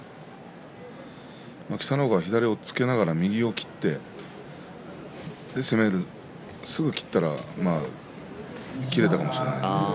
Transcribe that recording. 北の若は左を押っつけながら右を切ってすぐに切ったら切れたかもしれないですけれど。